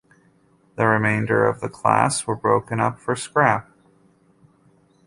The remainder of the class were broken up for scrap.